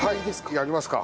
はいやりますか。